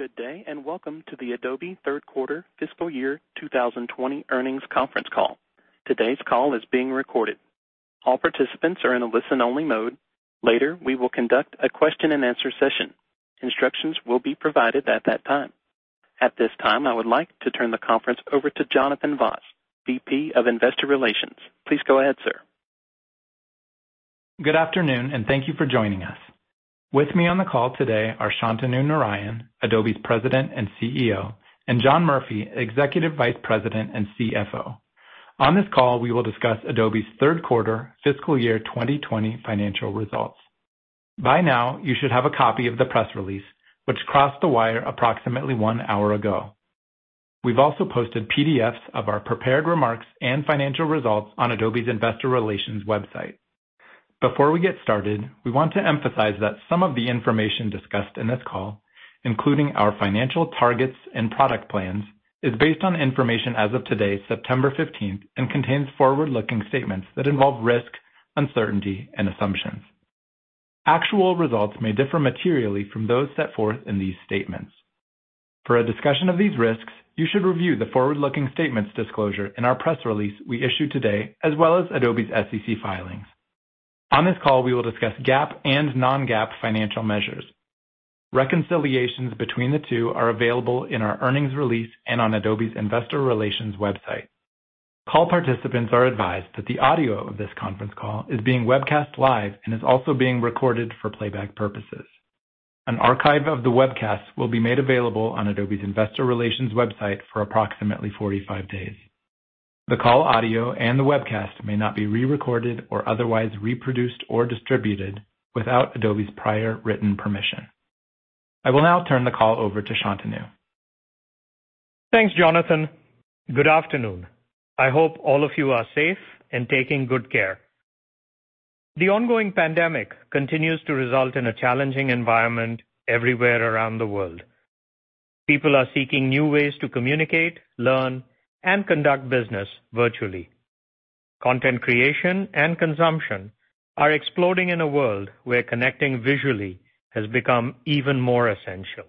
Good day, and welcome to the Adobe third quarter fiscal year 2020 earnings conference call. Today's call is being recorded. All participants are in a listen-only mode. Later, we will conduct a question-and-answer session. Instructions will be provided at that time. At this time, I would like to turn the conference over to Jonathan Vaas, VP of Investor Relations. Please go ahead, sir. Good afternoon, and thank you for joining us. With me on the call today are Shantanu Narayen, Adobe's President and CEO, and John Murphy, Executive Vice President and CFO. On this call, we will discuss Adobe's third quarter fiscal year 2020 financial results. By now, you should have a copy of the press release, which crossed the wire approximately one hour ago. We've also posted PDFs of our prepared remarks and financial results on Adobe's investor relations website. Before we get started, we want to emphasize that some of the information discussed in this call, including our financial targets and product plans, is based on information as of today, September 15th, and contains forward-looking statements that involve risk, uncertainty, and assumptions. Actual results may differ materially from those set forth in these statements. For a discussion of these risks, you should review the forward-looking statements disclosure in our press release we issued today, as well as Adobe's SEC filings. On this call, we will discuss GAAP and non-GAAP financial measures. Reconciliations between the two are available in our earnings release and on Adobe's investor relations website. Call participants are advised that the audio of this conference call is being webcast live and is also being recorded for playback purposes. An archive of the webcast will be made available on Adobe's investor relations website for approximately 45 days. The call audio and the webcast may not be re-recorded or otherwise reproduced or distributed without Adobe's prior written permission. I will now turn the call over to Shantanu. Thanks, Jonathan. Good afternoon. I hope all of you are safe and taking good care. The ongoing pandemic continues to result in a challenging environment everywhere around the world. People are seeking new ways to communicate, learn, and conduct business virtually. Content creation and consumption are exploding in a world where connecting visually has become even more essential.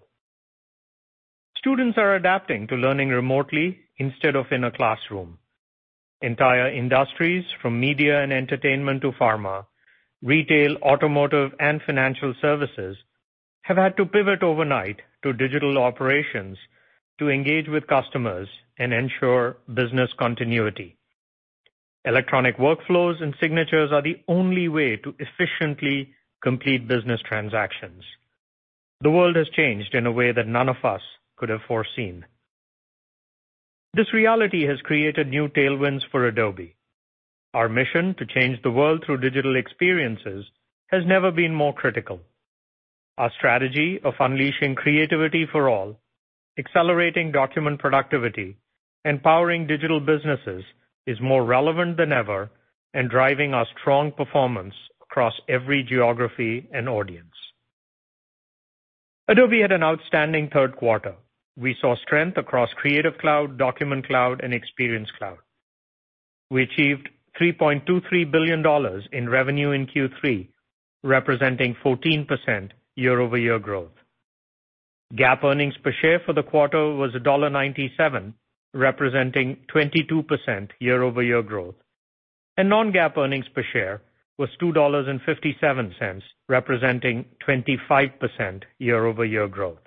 Students are adapting to learning remotely instead of in a classroom. Entire industries, from media and entertainment to pharma, retail, automotive, and financial services, have had to pivot overnight to digital operations to engage with customers and ensure business continuity. Electronic workflows and signatures are the only way to efficiently complete business transactions. The world has changed in a way that none of us could have foreseen. This reality has created new tailwinds for Adobe. Our mission to change the world through digital experiences has never been more critical. Our strategy of unleashing creativity for all, accelerating document productivity, empowering digital businesses, is more relevant than ever and driving our strong performance across every geography and audience. Adobe had an outstanding third quarter. We saw strength across Creative Cloud, Document Cloud, and Experience Cloud. We achieved $3.23 billion in revenue in Q3, representing 14% year-over-year growth. GAAP earnings per share for the quarter was $1.97, representing 22% year-over-year growth. Non-GAAP earnings per share was $2.57, representing 25% year-over-year growth.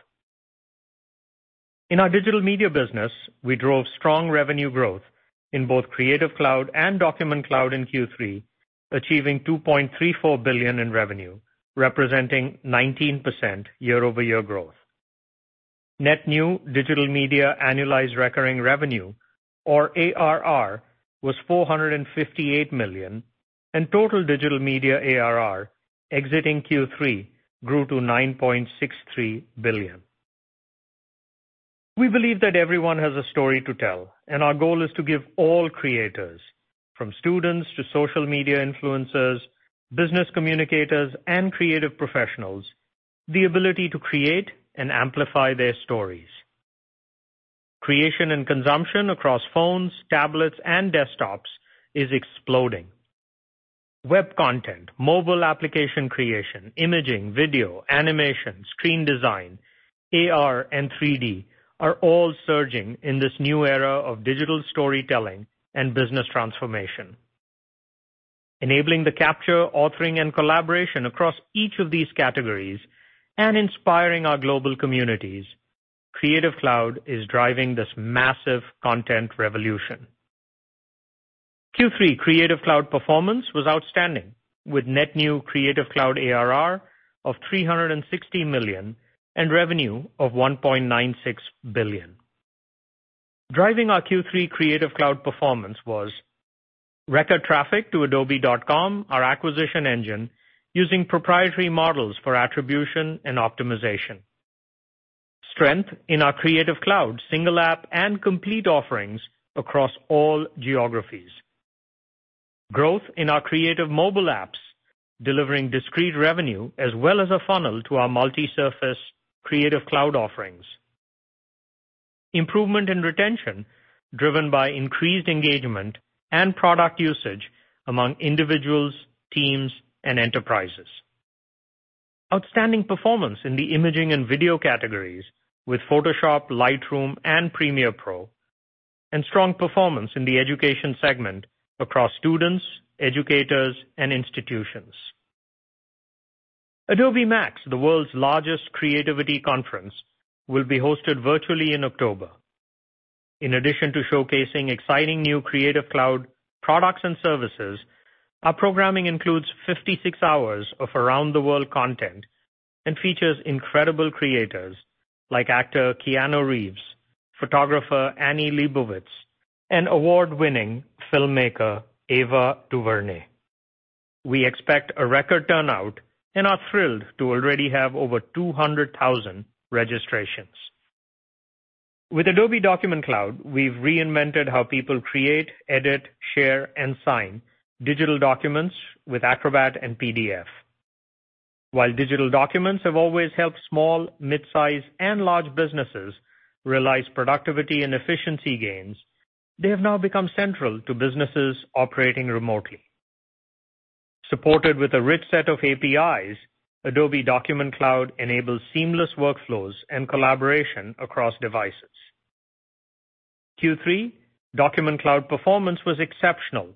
In our Digital Media business, we drove strong revenue growth in both Creative Cloud and Document Cloud in Q3, achieving $2.34 billion in revenue, representing 19% year-over-year growth. Net new Digital Media annualized recurring revenue or ARR was $458 million. Total Digital Media ARR exiting Q3 grew to $9.63 billion. We believe that everyone has a story to tell, and our goal is to give all creators, from students to social media influencers, business communicators, and creative professionals, the ability to create and amplify their stories. Creation and consumption across phones, tablets, and desktops is exploding. Web content, mobile application creation, imaging, video, animation, screen design, AR, and 3D are all surging in this new era of digital storytelling and business transformation. Enabling the capture, authoring, and collaboration across each of these categories and inspiring our global communities, Creative Cloud is driving this massive content revolution. Q3 Creative Cloud performance was outstanding, with net new Creative Cloud ARR of $360million and revenue of $1.96 billion. Driving our Q3 Creative Cloud performance was record traffic to adobe.com, our acquisition engine, using proprietary models for attribution and optimization. Strength in our Creative Cloud single app and complete offerings across all geographies. Growth in our creative mobile apps, delivering discrete revenue as well as a funnel to our multi-surface Creative Cloud offerings. Improvement in retention driven by increased engagement and product usage among individuals, teams, and enterprises. Outstanding performance in the imaging and video categories with Photoshop, Lightroom, and Premiere Pro, and strong performance in the education segment across students, educators, and institutions. Adobe MAX, the world's largest creativity conference, will be hosted virtually in October. In addition to showcasing exciting new Creative Cloud products and services, our programming includes 56 hours of around-the-world content and features incredible creators like actor Keanu Reeves, photographer Annie Leibovitz, and award-winning filmmaker Ava DuVernay. We expect a record turnout and are thrilled to already have over 200,000 registrations. With Adobe Document Cloud, we've reinvented how people create, edit, share, and sign digital documents with Acrobat and PDF. While digital documents have always helped small, mid-size, and large businesses realize productivity and efficiency gains, they have now become central to businesses operating remotely. Supported with a rich set of APIs, Adobe Document Cloud enables seamless workflows and collaboration across devices. Q3 Document Cloud performance was exceptional,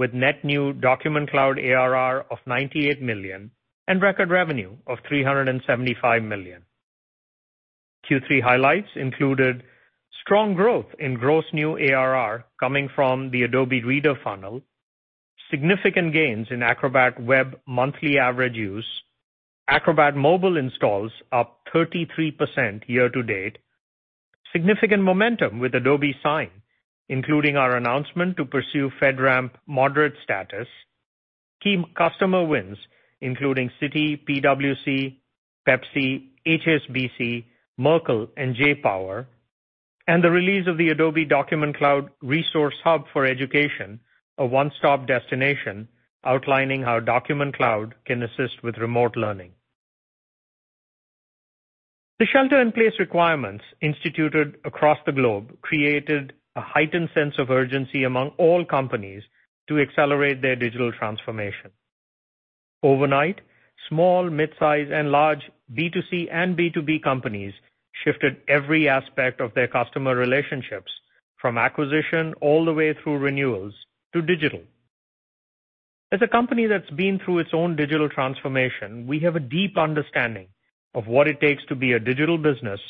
with net new Document Cloud ARR of $98 million and record revenue of $375 million. Q3 highlights included strong growth in gross new ARR coming from the Acrobat Reader funnel, significant gains in Acrobat Web monthly average use, Acrobat mobile installs up 33% year to date, significant momentum with Adobe Sign, including our announcement to pursue FedRAMP moderate status, key customer wins including Citi, PwC, Pepsi, HSBC, Merck, and J-Power, and the release of the Adobe Document Cloud Resource Hub for Education, a one-stop destination outlining how Document Cloud can assist with remote learning. The shelter in place requirements instituted across the globe created a heightened sense of urgency among all companies to accelerate their digital transformation. Overnight, small, mid-size, and large B2C and B2B companies shifted every aspect of their customer relationships, from acquisition all the way through renewals to digital. As a company that's been through its own digital transformation, we have a deep understanding of what it takes to be a digital business,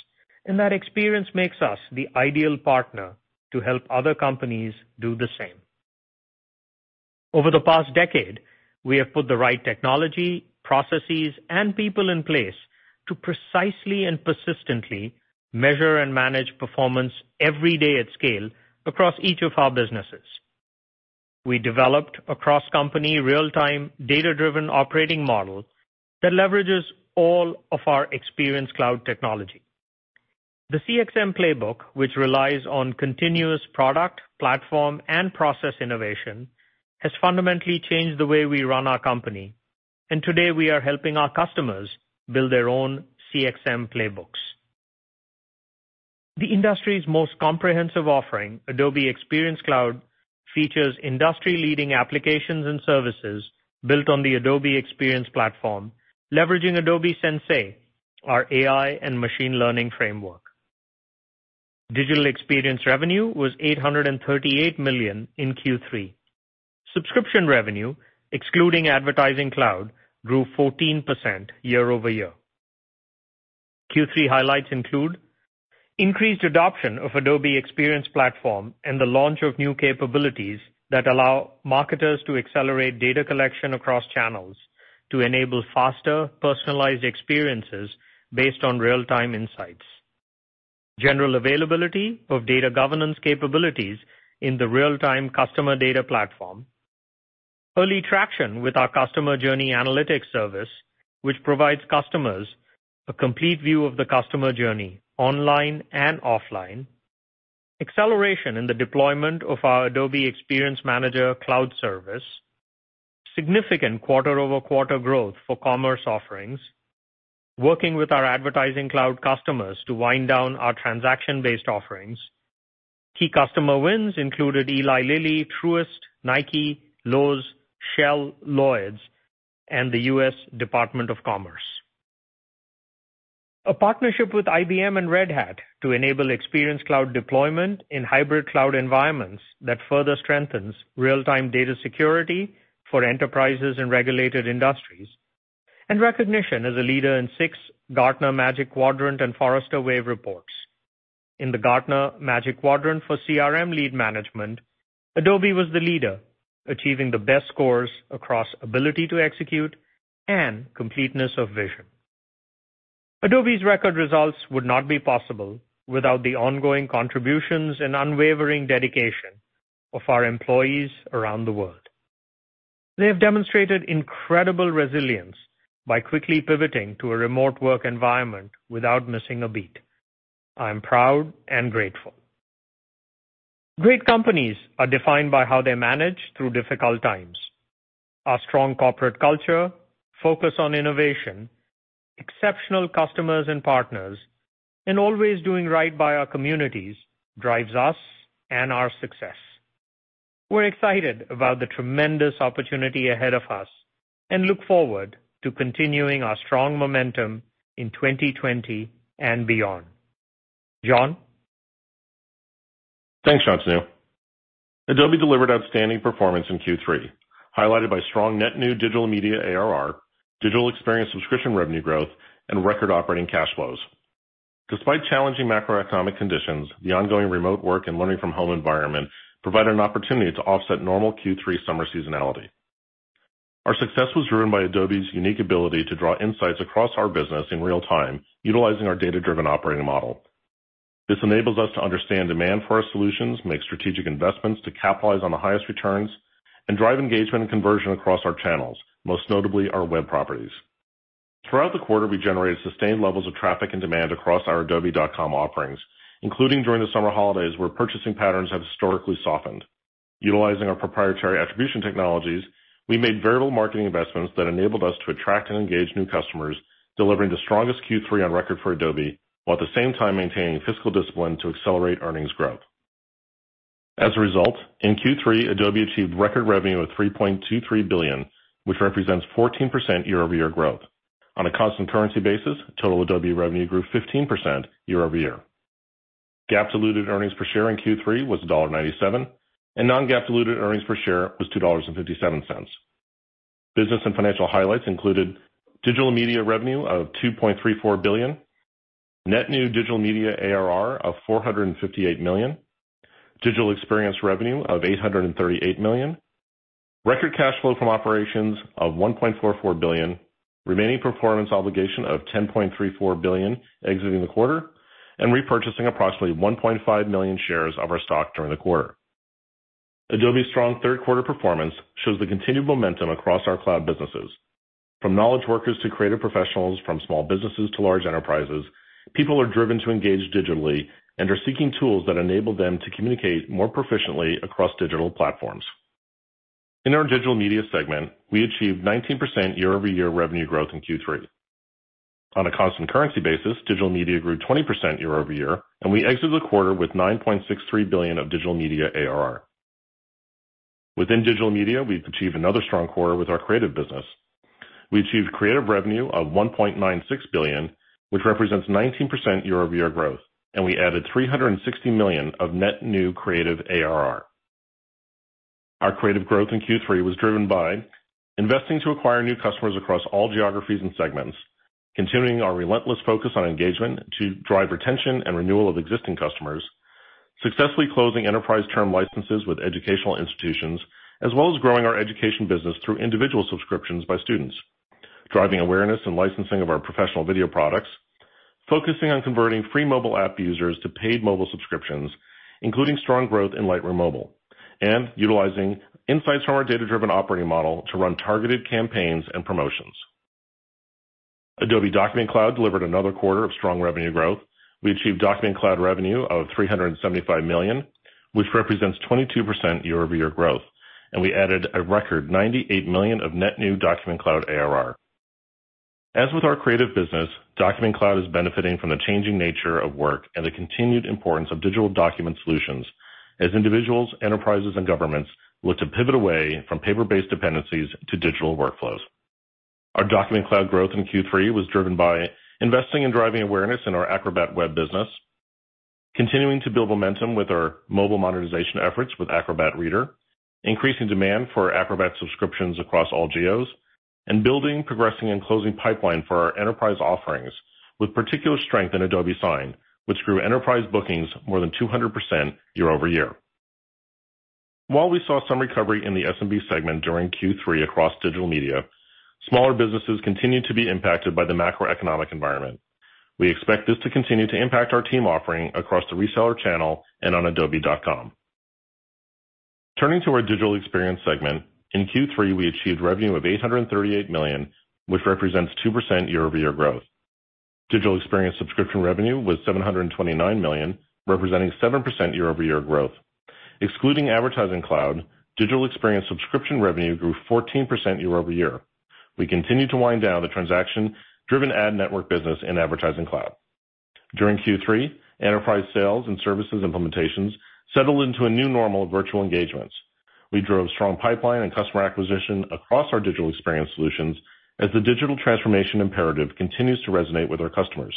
and that experience makes us the ideal partner to help other companies do the same. Over the past decade, we have put the right technology, processes, and people in place to precisely and persistently measure and manage performance every day at scale across each of our businesses. We developed a cross-company, real-time, data-driven operating model that leverages all of our Experience Cloud technology. The CXM Playbook, which relies on continuous product, platform, and process innovation, has fundamentally changed the way we run our company. Today we are helping our customers build their own CXM playbooks. The industry's most comprehensive offering, Adobe Experience Cloud, features industry-leading applications and services built on the Adobe Experience Platform, leveraging Adobe Sensei, our AI and machine learning framework. Digital Experience revenue was $838 million in Q3. Subscription revenue, excluding Advertising Cloud, grew 14% year-over-year. Q3 highlights include increased adoption of Adobe Experience Platform and the launch of new capabilities that allow marketers to accelerate data collection across channels to enable faster, personalized experiences based on real-time insights, general availability of data governance capabilities in the real-time customer data platform, early traction with our Customer Journey Analytics service, which provides customers a complete view of the customer journey online and offline, acceleration in the deployment of our Adobe Experience Manager Cloud service, significant quarter-over-quarter growth for commerce offerings, working with our Advertising Cloud customers to wind down our transaction-based offerings. Key customer wins included Eli Lilly, Truist, Nike, Lowe's, Shell, Lloyd's, and the U.S. Department of Commerce. A partnership with IBM and Red Hat to enable Experience Cloud deployment in hybrid cloud environments that further strengthens real-time data security for enterprises in regulated industries, and recognition as a leader in six Gartner Magic Quadrant and Forrester Wave reports. In the Gartner Magic Quadrant for CRM lead management, Adobe was the leader, achieving the best scores across ability to execute and completeness of vision. Adobe's record results would not be possible without the ongoing contributions and unwavering dedication of our employees around the world. They have demonstrated incredible resilience by quickly pivoting to a remote work environment without missing a beat. I am proud and grateful. Great companies are defined by how they manage through difficult times. Our strong corporate culture, focus on innovation, exceptional customers and partners, always doing right by our communities drives us and our success. We're excited about the tremendous opportunity ahead of us, and look forward to continuing our strong momentum in 2020 and beyond. John? Thanks, Shantanu. Adobe delivered outstanding performance in Q3, highlighted by strong net new Digital Media ARR, Digital Experience subscription revenue growth, and record operating cash flows. Despite challenging macroeconomic conditions, the ongoing remote work and learning from home environment provided an opportunity to offset normal Q3 summer seasonality. Our success was driven by Adobe's unique ability to draw insights across our business in real time utilizing our data-driven operating model. This enables us to understand demand for our solutions, make strategic investments to capitalize on the highest returns, and drive engagement and conversion across our channels, most notably our web properties. Throughout the quarter, we generated sustained levels of traffic and demand across our adobe.com offerings, including during the summer holidays, where purchasing patterns have historically softened. Utilizing our proprietary attribution technologies, we made variable marketing investments that enabled us to attract and engage new customers, delivering the strongest Q3 on record for Adobe, while at the same time maintaining fiscal discipline to accelerate earnings growth. As a result, in Q3, Adobe achieved record revenue of $3.23 billion, which represents 14% year-over-year growth. On a constant currency basis, total Adobe revenue grew 15% year-over-year. GAAP diluted earnings per share in Q3 was $1.97, and non-GAAP diluted earnings per share was $2.57. Business and financial highlights included Digital Media revenue of $2.34 billion, net new Digital Media ARR of $458 million, Digital Experience revenue of $838 million, record cash flow from operations of $1.44 billion, remaining performance obligation of $10.34 billion exiting the quarter, and repurchasing approximately 1.5 million shares of our stock during the quarter. Adobe's strong third quarter performance shows the continued momentum across our cloud businesses. From knowledge workers to creative professionals, from small businesses to large enterprises, people are driven to engage digitally and are seeking tools that enable them to communicate more proficiently across digital platforms. In our Digital Media segment, we achieved 19% year-over-year revenue growth in Q3. On a constant currency basis, Digital Media grew 20% year-over-year, and we exited the quarter with $9.63 billion of Digital Media ARR. Within Digital Media, we've achieved another strong quarter with our creative business. We achieved creative revenue of $1.96 billion, which represents 19% year-over-year growth, and we added $360 million of net new creative ARR. Our creative growth in Q3 was driven by investing to acquire new customers across all geographies and segments, continuing our relentless focus on engagement to drive retention and renewal of existing customers, successfully closing enterprise term licenses with educational institutions, as well as growing our education business through individual subscriptions by students, driving awareness and licensing of our professional video products, focusing on converting free mobile app users to paid mobile subscriptions, including strong growth in Lightroom Mobile, and utilizing insights from our data-driven operating model to run targeted campaigns and promotions. Adobe Document Cloud delivered another quarter of strong revenue growth. We achieved Document Cloud revenue of $375 million, which represents 22% year-over-year growth, and we added a record $98 million of net new Document Cloud ARR. As with our creative business, Document Cloud is benefiting from the changing nature of work and the continued importance of digital document solutions as individuals, enterprises, and governments look to pivot away from paper-based dependencies to digital workflows. Our Document Cloud growth in Q3 was driven by investing in driving awareness in our Acrobat Web business, continuing to build momentum with our mobile monetization efforts with Acrobat Reader, increasing demand for Acrobat subscriptions across all geos, and building, progressing, and closing pipeline for our Enterprise offerings with particular strength in Adobe Sign, which grew Enterprise bookings more than 200% year-over-year. While we saw some recovery in the SMB segment during Q3 across Digital Media, smaller businesses continued to be impacted by the macroeconomic environment. We expect this to continue to impact our team offering across the reseller channel and on adobe.com. Turning to our Digital Experience segment, in Q3, we achieved revenue of $838 million, which represents 2% year-over-year growth. Digital Experience subscription revenue was $729 million, representing 7% year-over-year growth. Excluding Advertising Cloud, Digital Experience subscription revenue grew 14% year-over-year. We continue to wind down the transaction-driven ad network business in Advertising Cloud. During Q3, Enterprise sales and services implementations settled into a new normal of virtual engagements. We drove strong pipeline and customer acquisition across our Digital Experience solutions as the digital transformation imperative continues to resonate with our customers.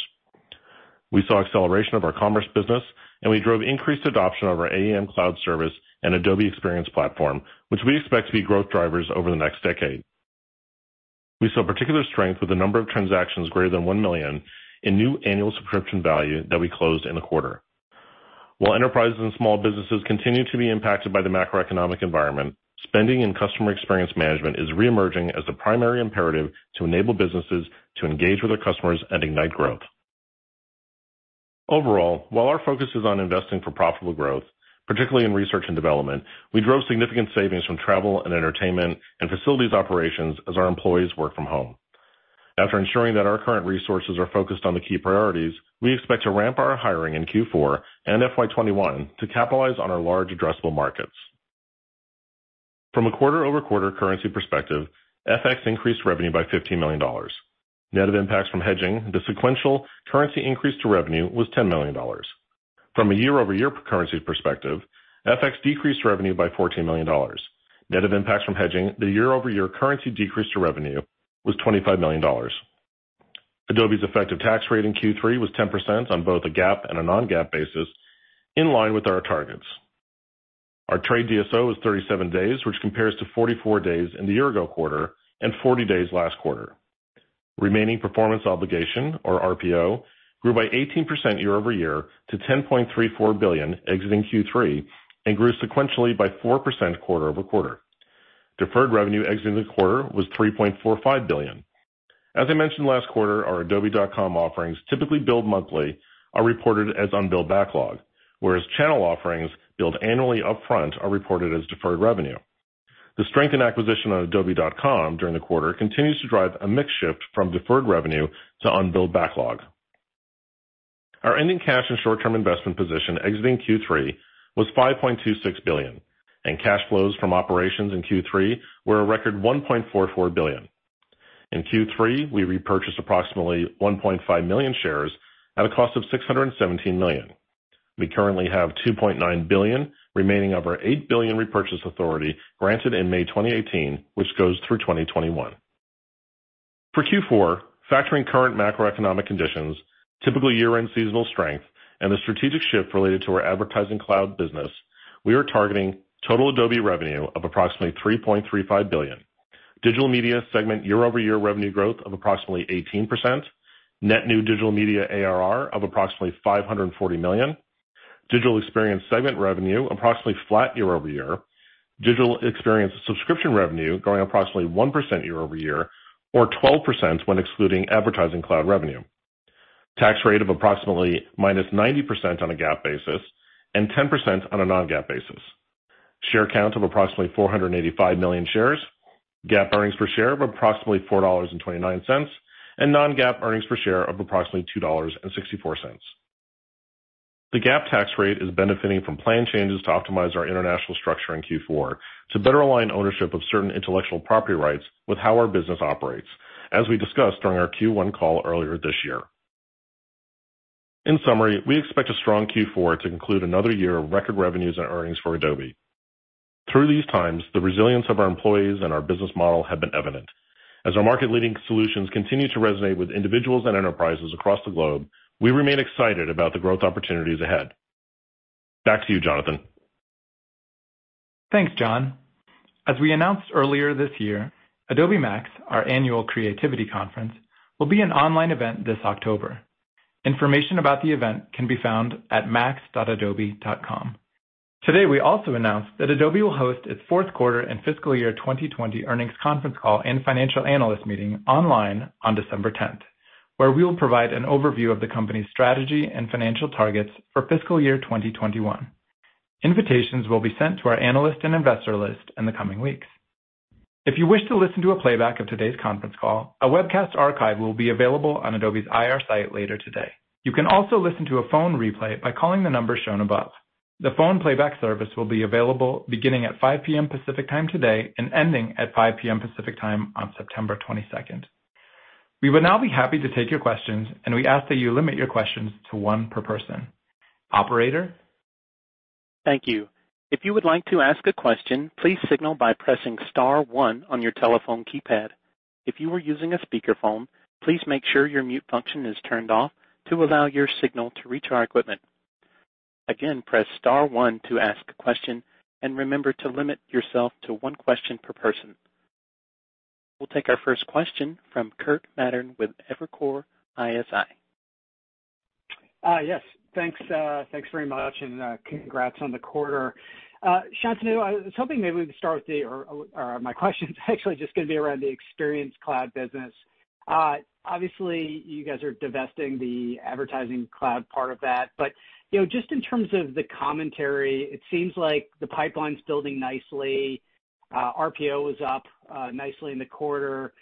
We saw acceleration of our commerce business, and we drove increased adoption of our AEM cloud service and Adobe Experience Platform, which we expect to be growth drivers over the next decade. We saw particular strength with the number of transactions greater than $1 million in new annual subscription value that we closed in the quarter. While enterprises and small businesses continue to be impacted by the macroeconomic environment, spending and customer experience management is reemerging as a primary imperative to enable businesses to engage with their customers and ignite growth. Overall, while our focus is on investing for profitable growth, particularly in research and development, we drove significant savings from travel and entertainment and facilities operations as our employees work from home. After ensuring that our current resources are focused on the key priorities, we expect to ramp our hiring in Q4 and FY 2021 to capitalize on our large addressable markets. From a quarter-over-quarter currency perspective, FX increased revenue by $15 million. Net of impacts from hedging, the sequential currency increase to revenue was $10 million. From a year-over-year currency perspective, FX decreased revenue by $14 million. Net of impacts from hedging, the year-over-year currency decrease to revenue was $25 million. Adobe's effective tax rate in Q3 was 10% on both a GAAP and a non-GAAP basis, in line with our targets. Our trade DSO was 37 days, which compares to 44 days in the year-ago quarter and 40 days last quarter. Remaining performance obligation, or RPO, grew by 18% year-over-year to $10.34 billion exiting Q3 and grew sequentially by 4% quarter-over-quarter. Deferred revenue exiting the quarter was $3.45 billion. As I mentioned last quarter, our adobe.com offerings typically billed monthly are reported as unbilled backlog, whereas channel offerings billed annually upfront are reported as deferred revenue. The strength in acquisition on adobe.com during the quarter continues to drive a mix shift from deferred revenue to unbilled backlog. Our ending cash and short-term investment position exiting Q3 was $5.26 billion, and cash flows from operations in Q3 were a record $1.44 billion. In Q3, we repurchased approximately 1.5 million shares at a cost of $617 million. We currently have $2.9 billion remaining of our $8 billion repurchase authority granted in May 2018, which goes through 2021. For Q4, factoring current macroeconomic conditions, typical year-end seasonal strength, and the strategic shift related to our Advertising Cloud business, we are targeting total Adobe revenue of approximately $3.35 billion. Digital Media segment year-over-year revenue growth of approximately 18%, net new Digital Media ARR of approximately $540 million. Digital Experience segment revenue approximately flat year-over-year. Digital Experience subscription revenue growing approximately 1% year-over-year, or 12% when excluding Advertising Cloud revenue. Tax rate of approximately minus 90% on a GAAP basis and 10% on a non-GAAP basis. Share count of approximately 485 million shares. GAAP earnings per share of approximately $4.29, and non-GAAP earnings per share of approximately $2.64. The GAAP tax rate is benefiting from plan changes to optimize our international structure in Q4 to better align ownership of certain intellectual property rights with how our business operates, as we discussed during our Q1 call earlier this year. In summary, we expect a strong Q4 to conclude another year of record revenues and earnings for Adobe. Through these times, the resilience of our employees and our business model have been evident. As our market-leading solutions continue to resonate with individuals and enterprises across the globe, we remain excited about the growth opportunities ahead. Back to you, Jonathan. Thanks, John. As we announced earlier this year, Adobe MAX, our annual creativity conference, will be an online event this October. Information about the event can be found at max.adobe.com. Today, we also announced that Adobe will host its fourth quarter and fiscal year 2020 earnings conference call and financial analyst meeting online on December 10th, where we will provide an overview of the company's strategy and financial targets for fiscal year 2021. Invitations will be sent to our analyst and investor list in the coming weeks. If you wish to listen to a playback of today's conference call, a webcast archive will be available on Adobe's IR site later today. You can also listen to a phone replay by calling the number shown above. The phone playback service will be available beginning at 5:00 A.M. Pacific time today and ending at 5:00 P.M. Pacific time on September 22nd. We would now be happy to take your questions, and we ask that you limit your questions to one per person. Operator? Thank you. If you would like to ask a question, please signal by pressing *1 on your telephone keypad. If you are using a speakerphone, please make sure your mute function is turned off to allow your signal to reach our equipment. Again, press *1 to ask a question, and remember to limit yourself to one question per person. We'll take our first question from Kirk Materne with Evercore ISI. Yes. Thanks very much, and congrats on the quarter. Shantanu, I was hoping maybe we could start with my question's actually just going to be around the Experience Cloud business. Obviously, you guys are divesting the Advertising Cloud part of that. Just in terms of the commentary, it seems like the pipeline's building nicely. RPO was up nicely in the quarter,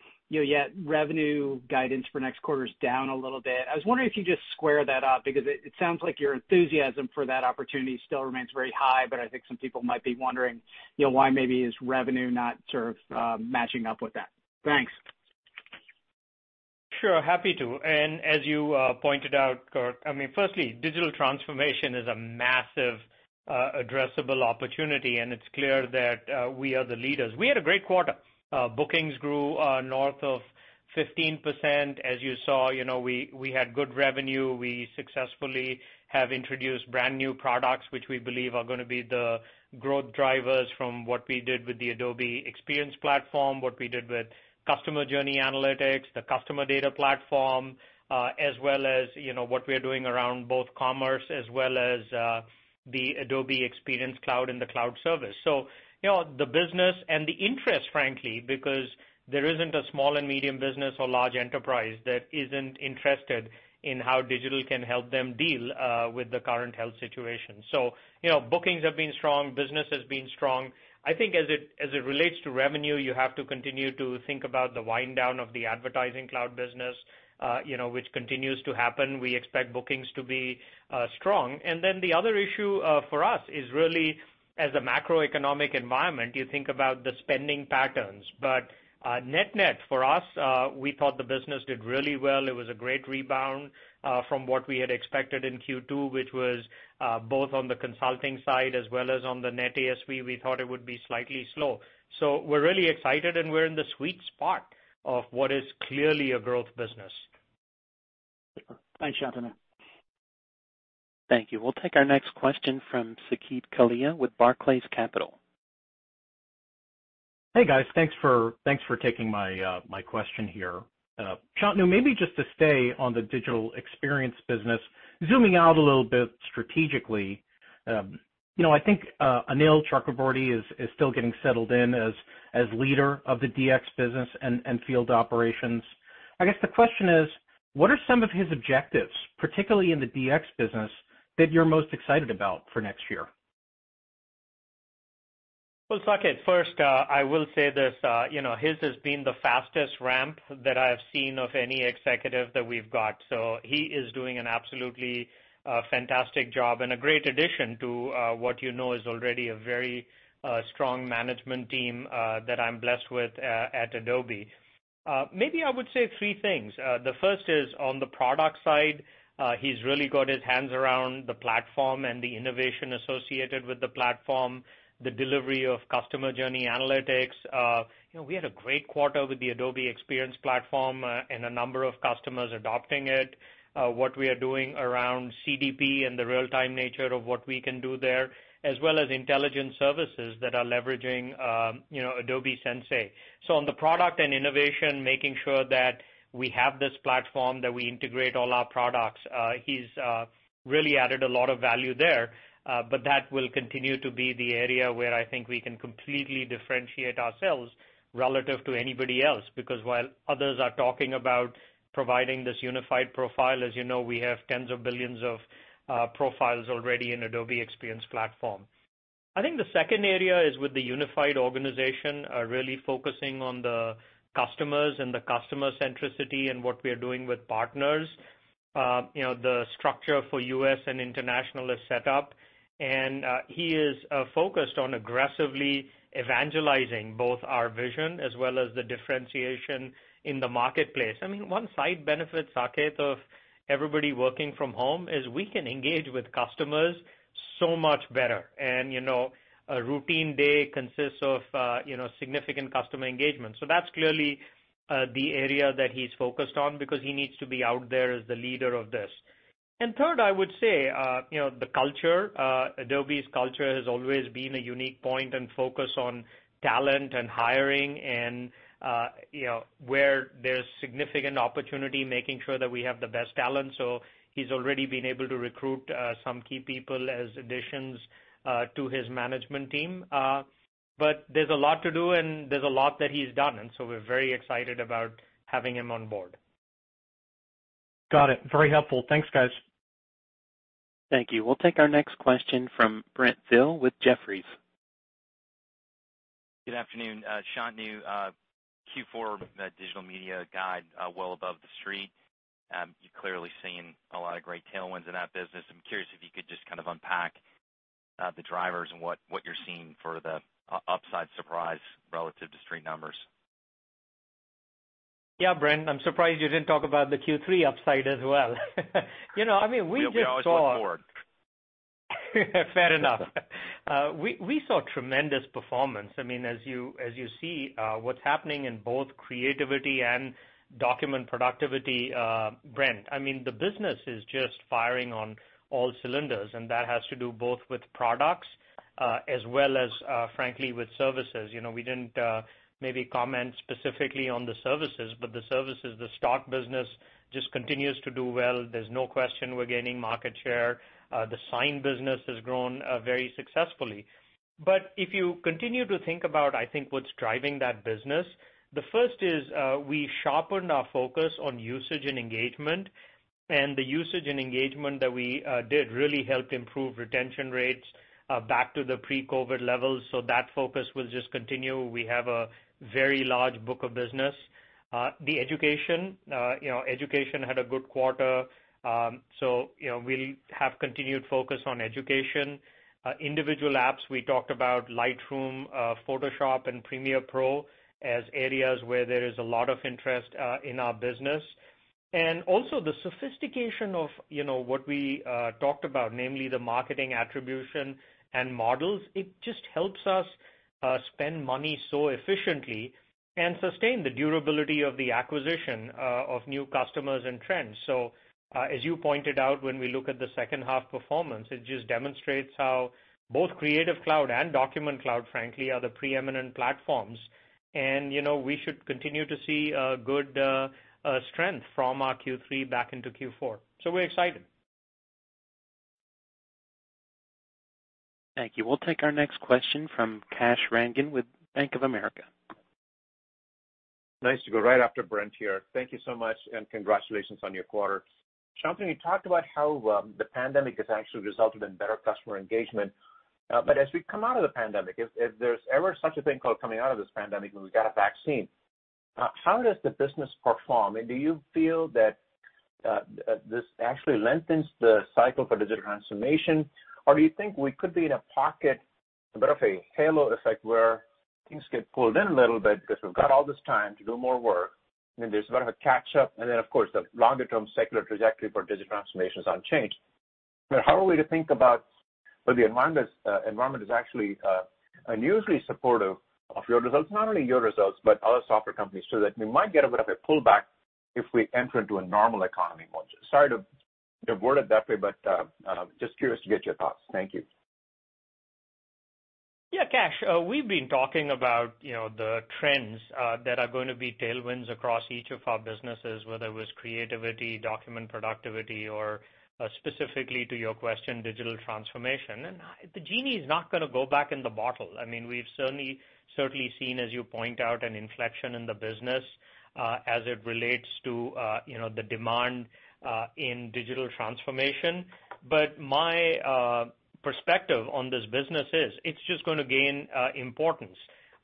yet revenue guidance for next quarter is down a little bit. I was wondering if you could just square that up, because it sounds like your enthusiasm for that opportunity still remains very high, but I think some people might be wondering why maybe is revenue not sort of matching up with that. Thanks. Sure, happy to. As you pointed out, Kirk, firstly, digital transformation is a massive addressable opportunity, and it's clear that we are the leaders. We had a great quarter. Bookings grew north of 15%, as you saw. We had good revenue. We successfully have introduced brand-new products, which we believe are going to be the growth drivers from what we did with the Adobe Experience Platform, what we did with Customer Journey Analytics, the Customer Data Platform, as well as what we are doing around both Commerce. The Adobe Experience Cloud and the cloud service. The business and the interest, frankly, because there isn't a small and medium business or large enterprise that isn't interested in how digital can help them deal with the current health situation. Bookings have been strong, business has been strong. I think as it relates to revenue, you have to continue to think about the wind down of the advertising cloud business which continues to happen. We expect bookings to be strong. The other issue for us is really as a macroeconomic environment, you think about the spending patterns. Net-net for us, we thought the business did really well. It was a great rebound from what we had expected in Q2, which was both on the consulting side as well as on the net ASV, we thought it would be slightly slow. We're really excited, and we're in the sweet spot of what is clearly a growth business. Thanks, Shantanu. Thank you. We'll take our next question from Saket Kalia with Barclays Capital. Hey, guys. Thanks for taking my question here. Shantanu, maybe just to stay on the Digital Experience Business, zooming out a little bit strategically. I think Anil Chakravarthy is still getting settled in as leader of the DX business and field operations. I guess the question is: what are some of his objectives, particularly in the DX business, that you're most excited about for next year? Well, Saket, first, I will say this, his has been the fastest ramp that I've seen of any executive that we've got. He is doing an absolutely fantastic job and a great addition to what you know is already a very strong management team that I'm blessed with at Adobe. Maybe I would say three things. The first is on the product side, he's really got his hands around the platform and the innovation associated with the platform, the delivery of Customer Journey Analytics. We had a great quarter with the Adobe Experience Platform, and a number of customers adopting it. What we are doing around CDP and the real-time nature of what we can do there, as well as intelligent services that are leveraging Adobe Sensei. On the product and innovation, making sure that we have this platform, that we integrate all our products, he's really added a lot of value there. That will continue to be the area where I think we can completely differentiate ourselves relative to anybody else, because while others are talking about providing this unified profile as you know, we have tens of billions of profiles already in Adobe Experience Platform. I think the second area is with the unified organization, really focusing on the customers and the customer centricity and what we are doing with partners. The structure for U.S. and international is set up, and he is focused on aggressively evangelizing both our vision as well as the differentiation in the marketplace. One side benefit, Saket, of everybody working from home is we can engage with customers so much better. A routine day consists of significant customer engagement. That's clearly the area that he's focused on because he needs to be out there as the leader of this. Third, I would say the culture. Adobe's culture has always been a unique point and focus on talent and hiring and where there's significant opportunity, making sure that we have the best talent. He's already been able to recruit some key people as additions to his management team. There's a lot to do, and there's a lot that he's done, and so we're very excited about having him on board. Got it. Very helpful. Thanks, guys. Thank you. We'll take our next question from Brent Thill with Jefferies. Good afternoon, Shantanu. Q4 Digital Media guide well above the street. You've clearly seen a lot of great tailwinds in that business. I'm curious if you could just kind of unpack the drivers and what you're seeing for the upside surprise relative to street numbers. Yeah, Brent, I'm surprised you didn't talk about the Q3 upside as well. We always look forward. Fair enough. We saw tremendous performance. As you see, what's happening in both creativity and document productivity, Brent, the business is just firing on all cylinders, and that has to do both with products as well as, frankly, with services. We didn't maybe comment specifically on the services, but the services, the stock business just continues to do well. There's no question we're gaining market share. The Sign business has grown very successfully. If you continue to think about, I think what's driving that business, the first is we sharpened our focus on usage and engagement, and the usage and engagement that we did really helped improve retention rates back to the pre-COVID levels. That focus will just continue. We have a very large book of business. Education had a good quarter. We have continued focus on education. Individual apps, we talked about Lightroom, Photoshop, and Premiere Pro as areas where there is a lot of interest in our business. Also the sophistication of what we talked about, namely the marketing attribution and models. It just helps us spend money so efficiently and sustain the durability of the acquisition of new customers and trends. As you pointed out, when we look at the second half performance, it just demonstrates how both Creative Cloud and Document Cloud, frankly, are the preeminent platforms. We should continue to see good strength from our Q3 back into Q4. We're excited. Thank you. We'll take our next question from Kash Rangan with Bank of America. Nice to go right after Brent here. Thank you so much, and congratulations on your quarter. Shantanu, you talked about how the pandemic has actually resulted in better customer engagement. As we come out of the pandemic, if there's ever such a thing called coming out of this pandemic when we got a vaccine, how does the business perform? Do you feel that this actually lengthens the cycle for digital transformation, or do you think we could be in a pocket, a bit of a halo effect where things get pulled in a little bit because we've got all this time to do more work and there's a bit of a catch-up, and then, of course, the longer-term secular trajectory for digital transformation is unchanged? How are we to think about where the environment is actually unusually supportive of your results, not only your results, but other software companies, too, that we might get a bit of a pullback if we enter into a normal economy mode? Sorry to word it that way. Just curious to get your thoughts. Thank you. Yeah, Kash, we've been talking about the trends that are going to be tailwinds across each of our businesses, whether it was creativity, document productivity, or, specifically to your question, digital transformation. The genie is not going to go back in the bottle. We've certainly seen, as you point out, an inflection in the business, as it relates to the demand in digital transformation. My perspective on this business is it's just going to gain importance.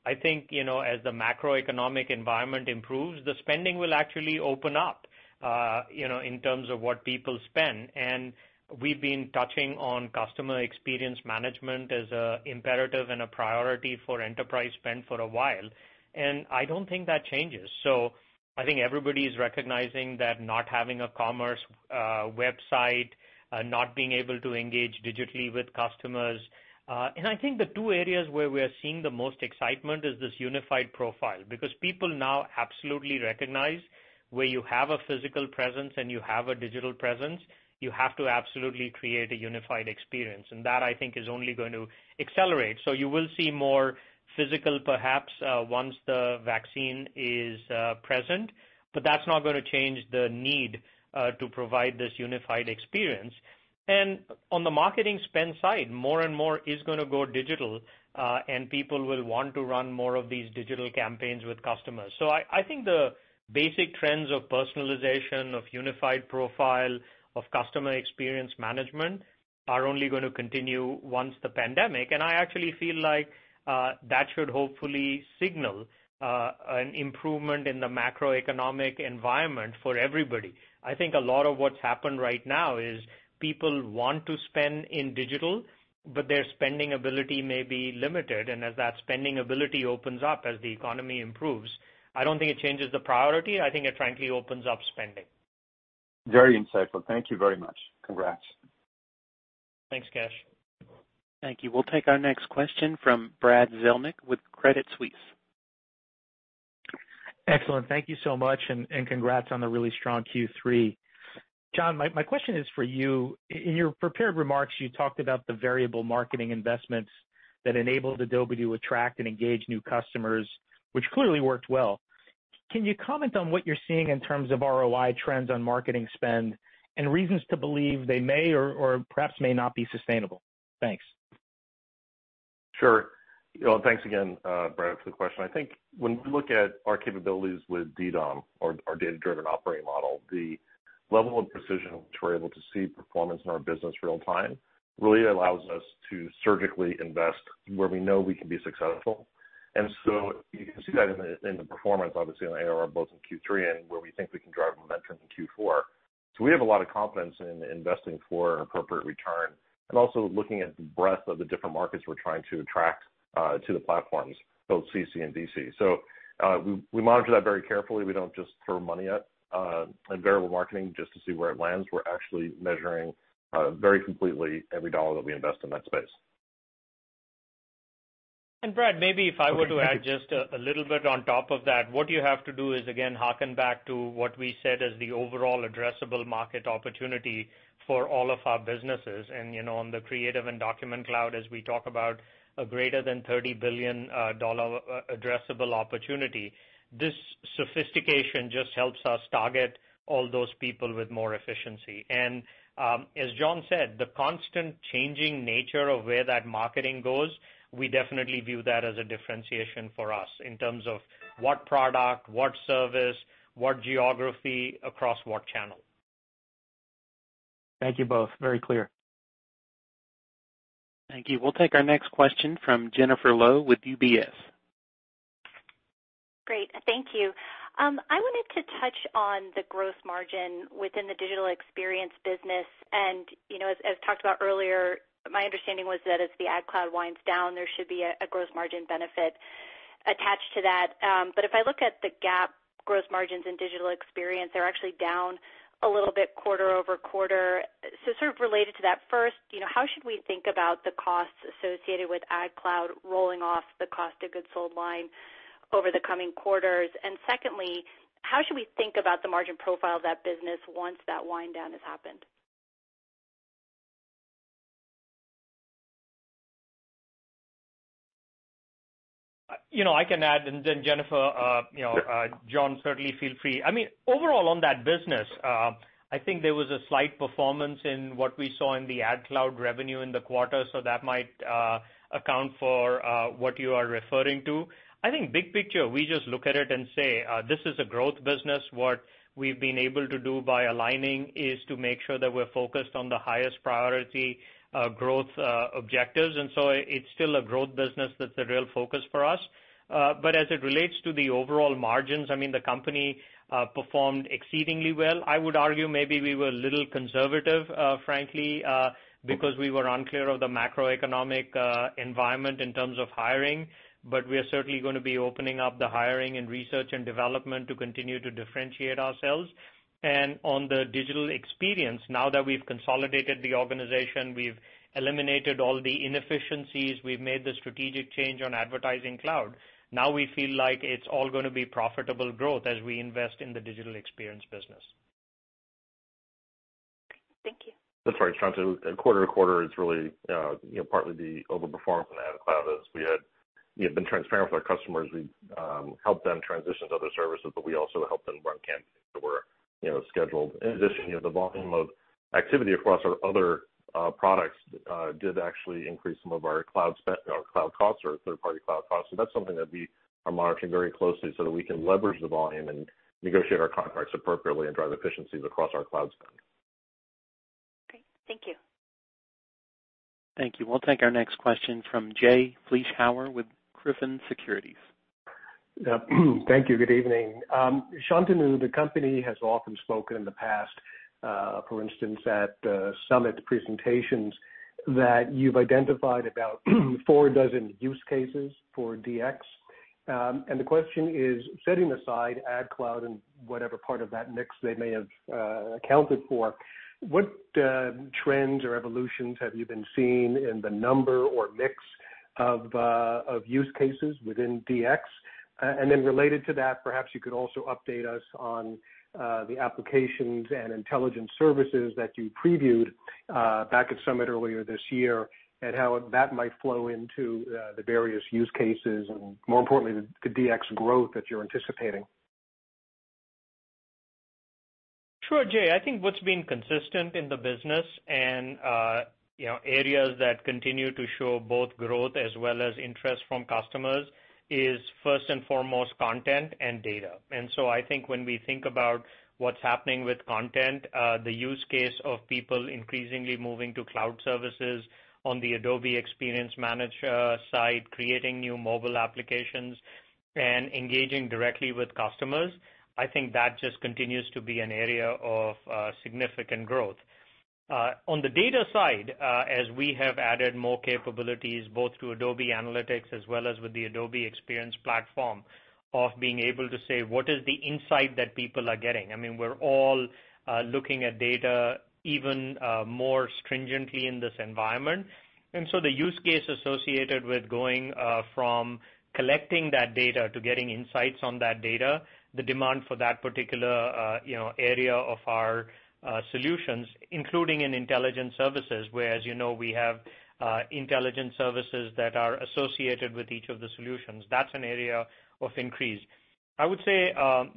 I think, as the macroeconomic environment improves, the spending will actually open up in terms of what people spend. We've been touching on customer experience management as an imperative and a priority for enterprise spend for a while. I don't think that changes. I think everybody's recognizing that not having a commerce website, not being able to engage digitally with customers. I think the two areas where we are seeing the most excitement is this unified profile, because people now absolutely recognize where you have a physical presence and you have a digital presence, you have to absolutely create a unified experience. That, I think, is only going to accelerate. You will see more physical, perhaps, once the vaccine is present, but that's not going to change the need to provide this unified experience. On the marketing spend side, more and more is going to go digital, and people will want to run more of these digital campaigns with customers. I think the basic trends of personalization, of unified profile, of customer experience management are only going to continue once the pandemic. I actually feel like that should hopefully signal an improvement in the macroeconomic environment for everybody. I think a lot of what's happened right now is people want to spend in digital, but their spending ability may be limited. As that spending ability opens up, as the economy improves, I don't think it changes the priority. I think it frankly opens up spending. Very insightful. Thank you very much. Congrats. Thanks, Kash. Thank you. We'll take our next question from Brad Zelnick with Credit Suisse. Excellent. Thank you so much, and congrats on the really strong Q3. John, my question is for you. In your prepared remarks, you talked about the variable marketing investments that enabled Adobe to attract and engage new customers, which clearly worked well. Can you comment on what you're seeing in terms of ROI trends on marketing spend and reasons to believe they may or perhaps may not be sustainable? Thanks. Sure. Thanks again, Brad, for the question. I think when we look at our capabilities with DDOM or our data-driven operating model, the level of precision which we're able to see performance in our business real time really allows us to surgically invest where we know we can be successful. You can see that in the performance, obviously, in ARR, both in Q3 and where we think we can drive momentum in Q4. We have a lot of confidence in investing for an appropriate return and also looking at the breadth of the different markets we're trying to attract to the platforms, both CC and DC. We monitor that very carefully. We don't just throw money at variable marketing just to see where it lands. We're actually measuring very completely every dollar that we invest in that space. Brad, maybe if I were to add just a little bit on top of that. What you have to do is, again, harken back to what we said is the overall addressable market opportunity for all of our businesses. On the Creative Cloud and Document Cloud, as we talk about a greater than $30 billion addressable opportunity. This sophistication just helps us target all those people with more efficiency. As John said, the constant changing nature of where that marketing goes, we definitely view that as a differentiation for us in terms of what product, what service, what geography, across what channel. Thank you both. Very clear. Thank you. We'll take our next question from Jennifer Lowe with UBS. Great. Thank you. I wanted to touch on the gross margin within the Digital Experience business. As talked about earlier, my understanding was that as the AdCloud winds down, there should be a gross margin benefit attached to that. If I look at the GAAP gross margins in Digital Experience, they're actually down a little bit quarter-over-quarter. Sort of related to that, first, how should we think about the costs associated with AdCloud rolling off the cost of goods sold line over the coming quarters? Secondly, how should we think about the margin profile of that business once that wind down has happened? I can add, then Jennifer, John, certainly feel free. Overall on that business, I think there was a slight performance in what we saw in the AdCloud revenue in the quarter, that might account for what you are referring to. I think big picture, we just look at it and say, "This is a growth business." What we've been able to do by aligning is to make sure that we're focused on the highest priority growth objectives. It's still a growth business that's a real focus for us. As it relates to the overall margins, the company performed exceedingly well. I would argue maybe we were a little conservative, frankly, because we were unclear of the macroeconomic environment in terms of hiring. We are certainly going to be opening up the hiring and research and development to continue to differentiate ourselves. On the Digital Experience, now that we've consolidated the organization, we've eliminated all the inefficiencies, we've made the strategic change on Adobe Advertising Cloud. Now we feel like it's all going to be profitable growth as we invest in the Digital Experience business. Thank you. That's right, Shantanu. Quarter to quarter is really partly the over-performance in the AdCloud as we had been transparent with our customers. We've helped them transition to other services, but we also helped them run campaigns that were scheduled. In addition, the volume of activity across our other products did actually increase some of our cloud costs or third-party cloud costs. That's something that we are monitoring very closely so that we can leverage the volume and negotiate our contracts appropriately and drive efficiencies across our cloud spend. Great. Thank you. Thank you. We'll take our next question from Jay Vleeschhouwer with Griffin Securities. Yeah. Thank you. Good evening. Shantanu, the company has often spoken in the past, for instance, at Summit presentations, that you've identified about four dozen use cases for DX. The question is, setting aside AdCloud and whatever part of that mix they may have accounted for, what trends or evolutions have you been seeing in the number or mix of use cases within DX? Related to that, perhaps you could also update us on the applications and intelligence services that you previewed back at Summit earlier this year, and how that might flow into the various use cases, and more importantly, the DX growth that you're anticipating. Sure, Jay. I think what's been consistent in the business and areas that continue to show both growth as well as interest from customers is first and foremost content and data. I think when we think about what's happening with content, the use case of people increasingly moving to cloud services on the Adobe Experience Manager side, creating new mobile applications, and engaging directly with customers, I think that just continues to be an area of significant growth. On the data side, as we have added more capabilities both to Adobe Analytics as well as with the Adobe Experience Platform, of being able to say what is the insight that people are getting. We're all looking at data even more stringently in this environment. The use case associated with going from collecting that data to getting insights on that data, the demand for that particular area of our solutions, including in intelligence services, where as you know we have intelligence services that are associated with each of the solutions. That's an area of increase. I would say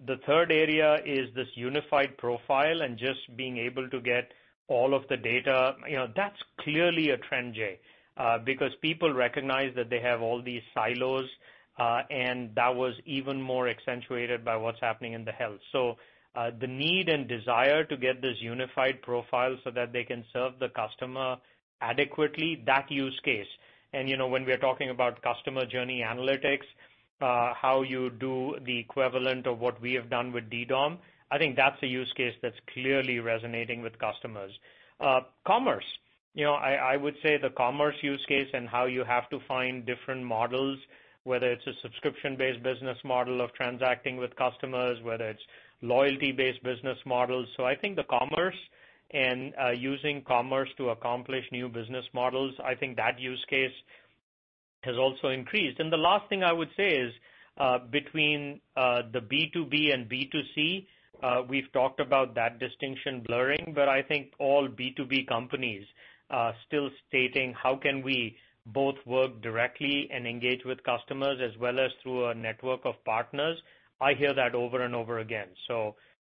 the third area is this unified profile and just being able to get all of the data. That's clearly a trend, Jay, because people recognize that they have all these silos, and that was even more accentuated by what's happening in the health. The need and desire to get this unified profile so that they can serve the customer adequately. When we are talking about Customer Journey Analytics, how you do the equivalent of what we have done with DDOM, I think that's a use case that's clearly resonating with customers. Commerce. I would say the commerce use case and how you have to find different models, whether it's a subscription-based business model of transacting with customers, whether it's loyalty-based business models. I think the commerce and using commerce to accomplish new business models, I think that use case has also increased. The last thing I would say is between the B2B and B2C, we've talked about that distinction blurring. I think all B2B companies are still stating how can we both work directly and engage with customers as well as through a network of partners. I hear that over and over again.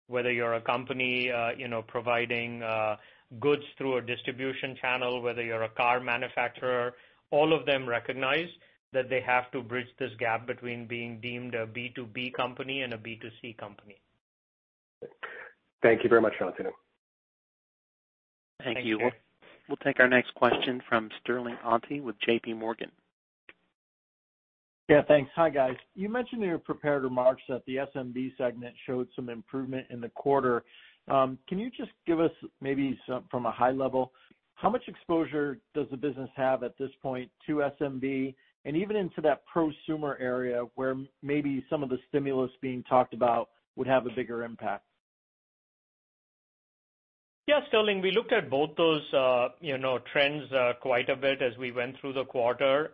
Whether you're a company providing goods through a distribution channel, whether you're a car manufacturer, all of them recognize that they have to bridge this gap between being deemed a B2B company and a B2C company. Thank you very much, Shantanu. Thank you. Thank you. We'll take our next question from Sterling Auty with JPMorgan. Yeah, thanks. Hi, guys. You mentioned in your prepared remarks that the SMB segment showed some improvement in the quarter. Can you just give us maybe from a high level, how much exposure does the business have at this point to SMB and even into that prosumer area where maybe some of the stimulus being talked about would have a bigger impact? Yes, Sterling, we looked at both those trends quite a bit as we went through the quarter.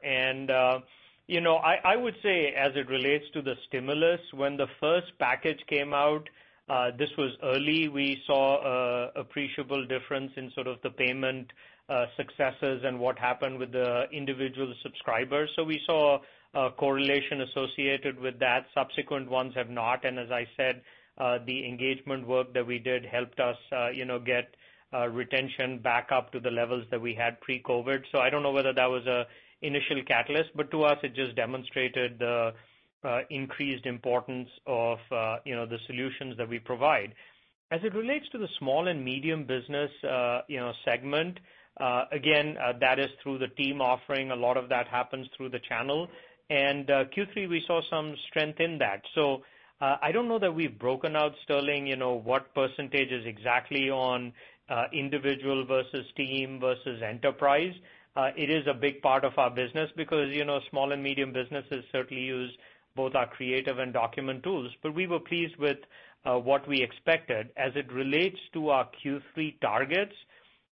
I would say as it relates to the stimulus, when the first package came out, this was early, we saw appreciable difference in sort of the payment successes and what happened with the individual subscribers. We saw a correlation associated with that. Subsequent ones have not. As I said, the engagement work that we did helped us get retention back up to the levels that we had pre-COVID. I don't know whether that was an initial catalyst, but to us, it just demonstrated the increased importance of the solutions that we provide. As it relates to the small and medium business segment, again, that is through the team offering. A lot of that happens through the channel. Q3, we saw some strength in that. I don't know that we've broken out, Sterling, what percentage is exactly on individual versus team versus enterprise. It is a big part of our business because small and medium businesses certainly use both our creative and document tools. We were pleased with what we expected. As it relates to our Q3 targets,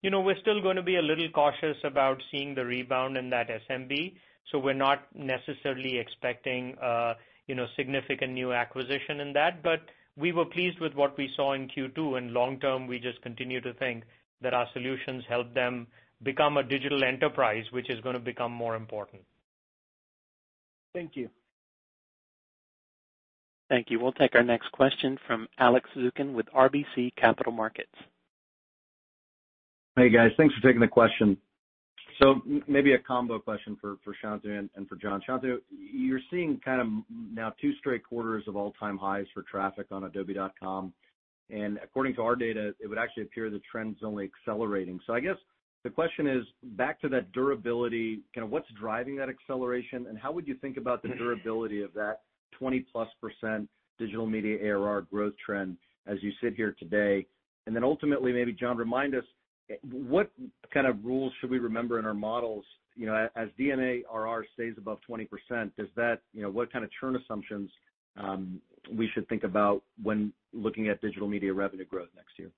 we're still going to be a little cautious about seeing the rebound in that SMB. We're not necessarily expecting significant new acquisition in that. We were pleased with what we saw in Q2, and long term, we just continue to think that our solutions help them become a digital enterprise, which is going to become more important. Thank you. Thank you. We'll take our next question from Alex Zukin with RBC Capital Markets. Hey, guys. Thanks for taking the question. Maybe a combo question for Shantanu and for John. Shantanu, you're seeing kind of now two straight quarters of all-time highs for traffic on adobe.com. According to our data, it would actually appear the trend's only accelerating. I guess the question is back to that durability, kind of what's driving that acceleration, and how would you think about the durability of that 20%+ Digital Media ARR growth trend as you sit here today? Ultimately, maybe John, remind us, what kind of rules should we remember in our models as DM ARR stays above 20%, what kind of churn assumptions we should think about when looking at Digital Media revenue growth next year?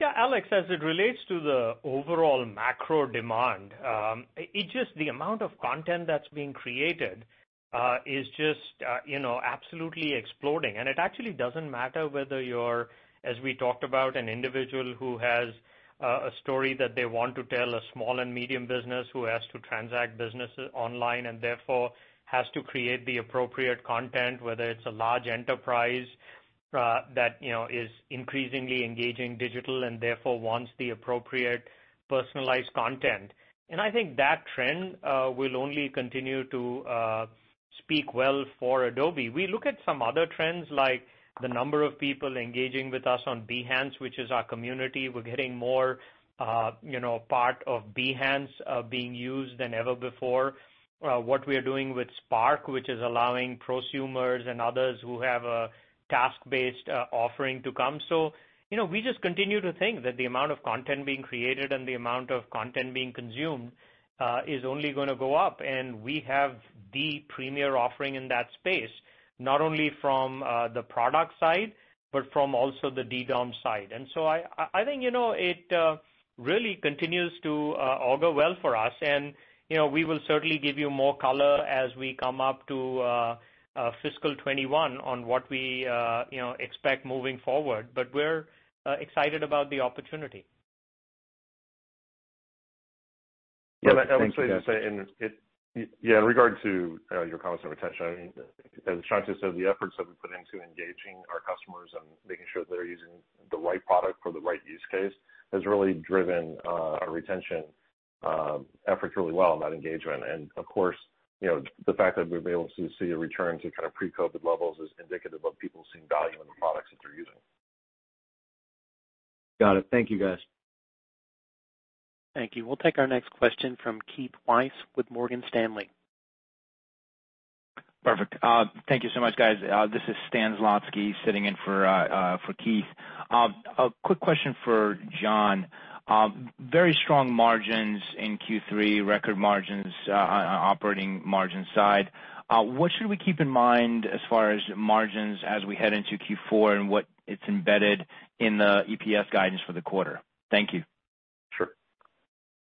Yeah, Alex, as it relates to the overall macro demand, the amount of content that's being created is just absolutely exploding. It actually doesn't matter whether you're, as we talked about, an individual who has a story that they want to tell, a small and medium business who has to transact business online, and therefore has to create the appropriate content, whether it's a large enterprise that is increasingly engaging digital and therefore wants the appropriate personalized content. I think that trend will only continue to speak well for Adobe. We look at some other trends, like the number of people engaging with us on Behance, which is our community. We're getting more part of Behance being used than ever before. What we are doing with Spark, which is allowing prosumers and others who have a task-based offering to come. We just continue to think that the amount of content being created and the amount of content being consumed is only going to go up, and we have the premier offering in that space, not only from the product side, but from also the DDOM side. I think it really continues to augur well for us. We will certainly give you more color as we come up to FY 2021 on what we expect moving forward. We're excited about the opportunity. Yeah, thanks, guys. Yeah, I would say just in regard to your comments on retention, as Shantanu said, the efforts that we put into engaging our customers and making sure that they're using the right product for the right use case has really driven our retention efforts really well and that engagement. Of course, the fact that we've been able to see a return to kind of pre-COVID levels is indicative of people seeing value in the products that they're using. Got it. Thank you, guys. Thank you. We'll take our next question from Keith Weiss with Morgan Stanley. Perfect. Thank you so much, guys. This is Stan Zlotsky sitting in for Keith. A quick question for John. Very strong margins in Q3, record margins on operating margin side. What should we keep in mind as far as margins as we head into Q4 and what it's embedded in the EPS guidance for the quarter? Thank you.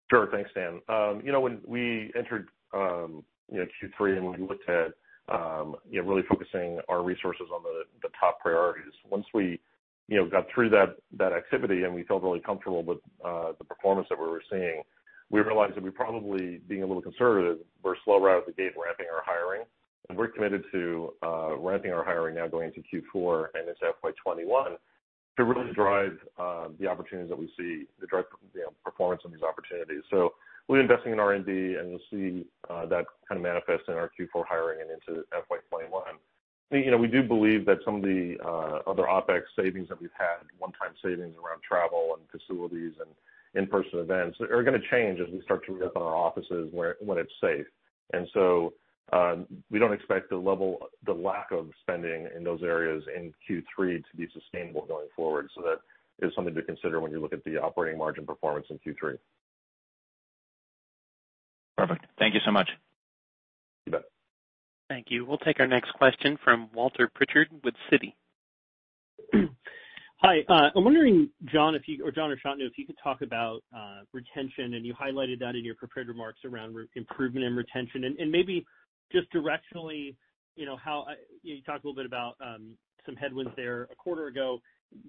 Sure. Thanks, Stan. When we entered Q3 and we looked at really focusing our resources on the top priorities, once we got through that activity and we felt really comfortable with the performance that we were seeing, we realized that we probably being a little conservative, we're slow right out of the gate ramping our hiring. We're committed to ramping our hiring now going into Q4 and into FY 2021 to really drive the opportunities that we see to drive performance on these opportunities. We're investing in R&D, and you'll see that kind of manifest in our Q4 hiring and into FY 2021. We do believe that some of the other OpEx savings that we've had, one-time savings around travel and facilities and in-person events, are going to change as we start to ramp up our offices when it's safe. We don't expect the lack of spending in those areas in Q3 to be sustainable going forward. That is something to consider when you look at the operating margin performance in Q3. Perfect. Thank you so much. You bet. Thank you. We'll take our next question from Walter Pritchard with Citi. Hi, I'm wondering, John or Shantanu, if you could talk about retention, and you highlighted that in your prepared remarks around improvement in retention, and maybe just directionally, you talked a little bit about some headwinds there a quarter ago,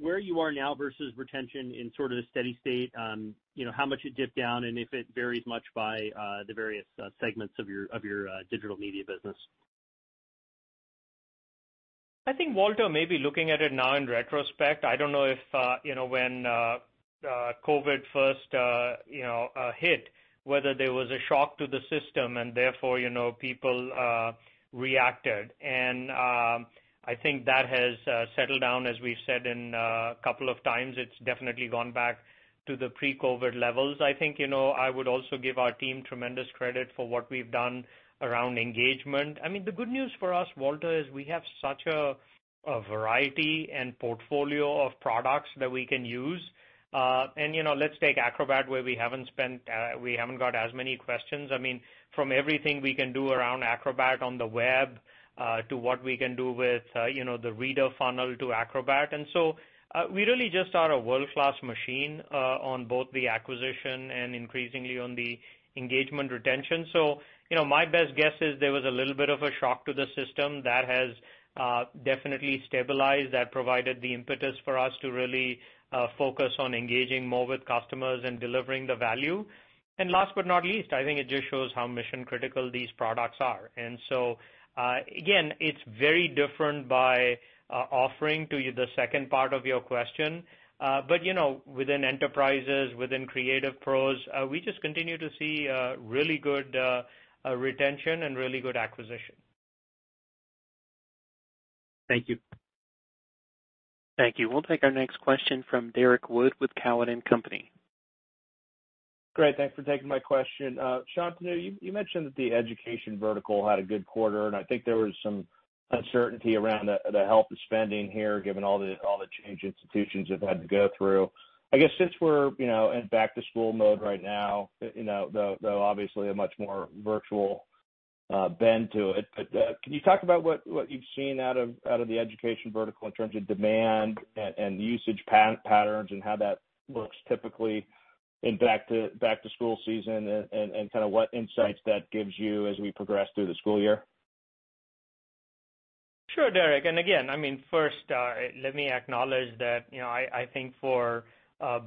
where you are now versus retention in sort of the steady state. How much it dipped down, and if it varies much by the various segments of your Digital Media business? I think, Walter, maybe looking at it now in retrospect, I don't know if when COVID first hit, whether there was a shock to the system and therefore, people reacted. I think that has settled down, as we've said a couple of times. It's definitely gone back to the pre-COVID levels. I think, I would also give our team tremendous credit for what we've done around engagement. The good news for us, Walter, is we have such a variety and portfolio of products that we can use. Let's take Acrobat where we haven't got as many questions. From everything we can do around Acrobat on the web, to what we can do with the reader funnel to Acrobat. We really just are a world-class machine on both the acquisition and increasingly on the engagement retention. My best guess is there was a little bit of a shock to the system that has definitely stabilized, that provided the impetus for us to really focus on engaging more with customers and delivering the value. Last but not least, I think it just shows how mission-critical these products are. Again, it's very different by offering to the second part of your question. Within enterprises, within creative pros, we just continue to see really good retention and really good acquisition. Thank you. Thank you. We'll take our next question from Derrick Wood with Cowen and Company. Great. Thanks for taking my question. Shantanu, you mentioned that the education vertical had a good quarter. I think there was some uncertainty around the health spending here, given all the change institutions have had to go through. I guess since we're in back-to-school mode right now, though obviously a much more virtual bend to it. Can you talk about what you've seen out of the education vertical in terms of demand and usage patterns and how that looks typically in back-to-school season and kind of what insights that gives you as we progress through the school year? Sure, Derrick. Again, first let me acknowledge that, I think for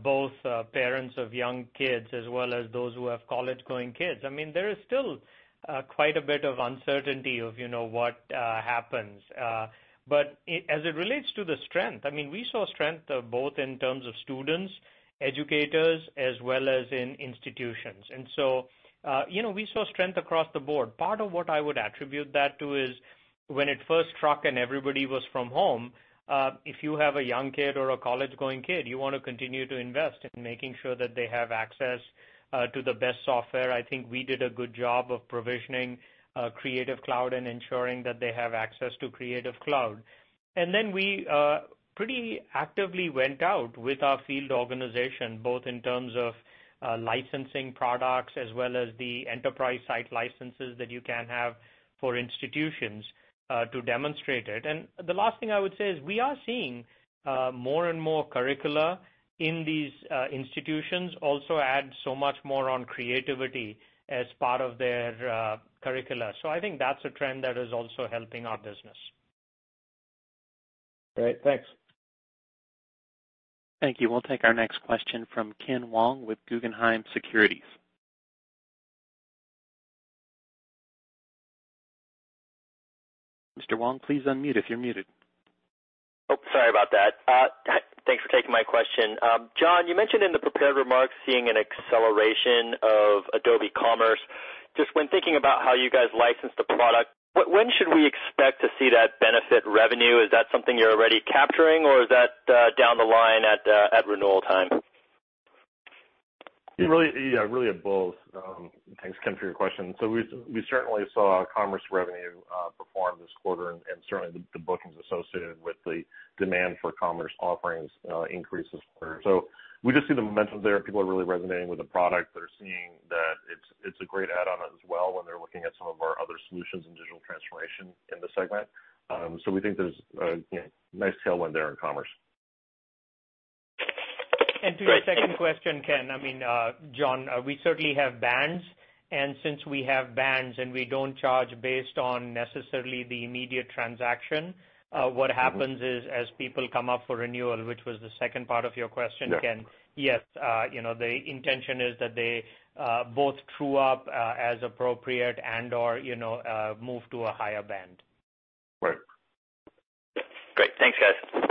both parents of young kids as well as those who have college-going kids, there is still quite a bit of uncertainty of what happens. As it relates to the strength, we saw strength both in terms of students, educators, as well as in institutions. We saw strength across the board. Part of what I would attribute that to is when it first struck and everybody was from home, if you have a young kid or a college-going kid, you want to continue to invest in making sure that they have access to the best software. I think we did a good job of provisioning Creative Cloud and ensuring that they have access to Creative Cloud. We pretty actively went out with our field organization, both in terms of licensing products as well as the enterprise site licenses that you can have for institutions to demonstrate it. The last thing I would say is we are seeing more and more curricula in these institutions also add so much more on creativity as part of their curricula. I think that's a trend that is also helping our business. Great. Thanks. Thank you. We'll take our next question from Ken Wong with Guggenheim Securities. Mr. Wong, please unmute if you're muted. Oh, sorry about that. Thanks for taking my question. John, you mentioned in the prepared remarks seeing an acceleration of Adobe Commerce. Just when thinking about how you guys license the product, when should we expect to see that benefit revenue? Is that something you're already capturing, or is that down the line at renewal time? Yeah, really at both. Thanks, Ken, for your question. We certainly saw Commerce revenue perform this quarter, and certainly the bookings associated with the demand for Commerce offerings increase as well. We just see the momentum there. People are really resonating with the product. They're seeing that it's a great add-on as well when they're looking at some of our other solutions in digital transformation in the segment. We think there's a nice tailwind there in Commerce. Great, thanks. To your second question, Ken. John, we certainly have bands, and since we have bands and we don't charge based on necessarily the immediate transaction, what happens is as people come up for renewal, which was the second part of your question, Ken. Yeah. Yes. The intention is that they both true up as appropriate and/or move to a higher band. Right. Great. Thanks, guys.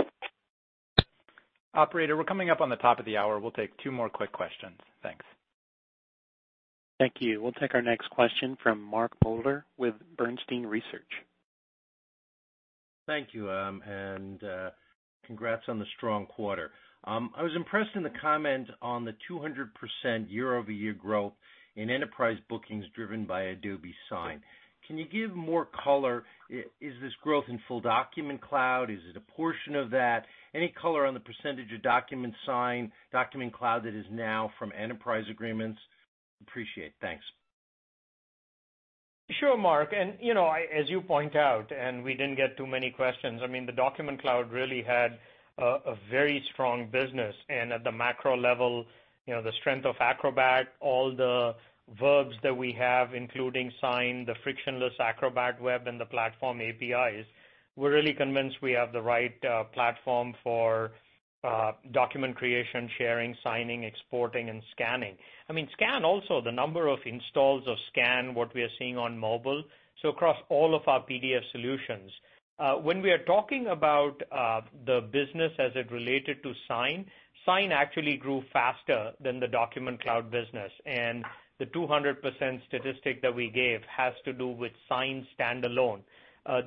Operator, we're coming up on the top of the hour. We'll take two more quick questions. Thanks. Thank you. We'll take our next question from Mark Moerdler with Bernstein Research. Thank you, and congrats on the strong quarter. I was impressed in the comment on the 200% year-over-year growth in enterprise bookings driven by Adobe Sign. Can you give more color? Is this growth in full Document Cloud? Is it a portion of that? Any color on the percentage of Adobe Sign, Document Cloud that is now from enterprise agreements? Appreciate it. Thanks. Sure, Mark. As you point out, we didn't get too many questions, the Document Cloud really had a very strong business. At the macro level, the strength of Acrobat, all the verbs that we have, including Sign, the frictionless Acrobat web, and the platform APIs. We're really convinced we have the right platform for document creation, sharing, signing, exporting, and scanning. Scan also, the number of installs of Scan, what we are seeing on mobile. Across all of our PDF solutions. When we are talking about the business as it related to Sign actually grew faster than the Document Cloud business, and the 200% statistic that we gave has to do with Sign standalone.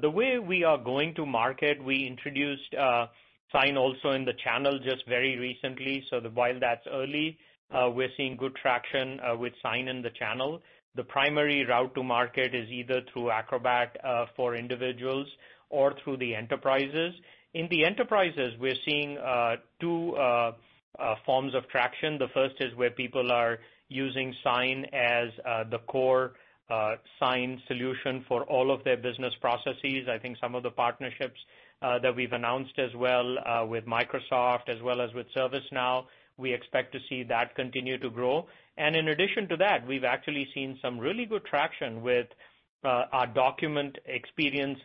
The way we are going to market, we introduced Sign also in the channel just very recently. While that's early, we're seeing good traction with Sign in the channel. The primary route to market is either through Acrobat for individuals or through the enterprises. In the enterprises, we're seeing two forms of traction. The first is where people are using Sign as the core sign solution for all of their business processes. I think some of the partnerships that we've announced as well with Microsoft as well as with ServiceNow, we expect to see that continue to grow. In addition to that, we've actually seen some really good traction with our document experience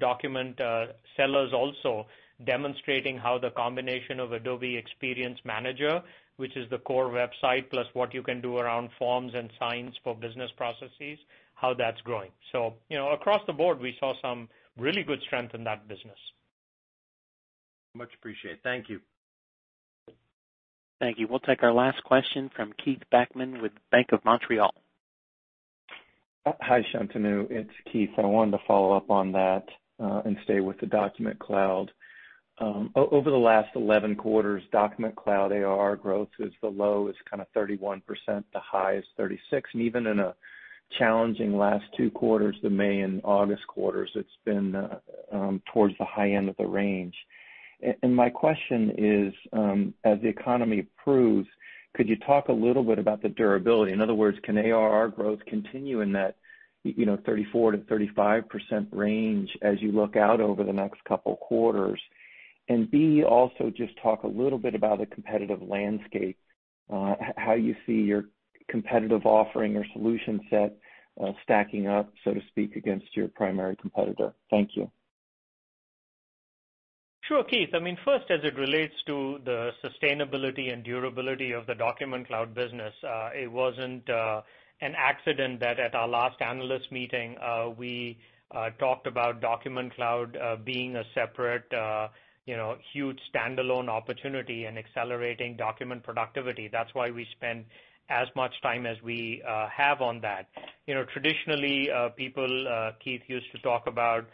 document sellers also demonstrating how the combination of Adobe Experience Manager, which is the core website, plus what you can do around forms and Sign for business processes, how that's growing. Across the board, we saw some really good strength in that business. Much appreciated. Thank you. Thank you. We'll take our last question from Keith Bachman with Bank of Montreal. Hi, Shantanu. It's Keith. I wanted to follow up on that and stay with the Document Cloud. Over the last 11 quarters, Document Cloud ARR growth is the low, it's kind of 31%, the high is 36%. Even in a challenging last two quarters, the May and August quarters, it's been towards the high end of the range. My question is, as the economy improves, could you talk a little bit about the durability? In other words, can ARR growth continue in that 34%-35% range as you look out over the next couple of quarters? B, also just talk a little bit about the competitive landscape, how you see your competitive offering or solution set stacking up, so to speak, against your primary competitor. Thank you. Sure, Keith. First, as it relates to the sustainability and durability of the Document Cloud business, it wasn't an accident that at our last analyst meeting, we talked about Document Cloud being a separate huge standalone opportunity and accelerating document productivity. That's why we spend as much time as we have on that. Traditionally, people, Keith, used to talk about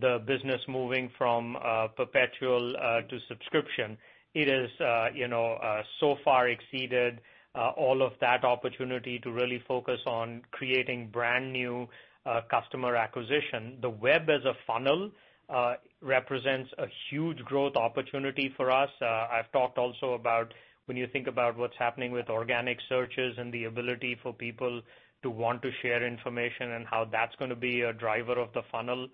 the business moving from perpetual to subscription. It has so far exceeded all of that opportunity to really focus on creating brand-new customer acquisition. The web as a funnel represents a huge growth opportunity for us. I've talked also about when you think about what's happening with organic searches and the ability for people to want to share information and how that's going to be a driver of the funnel.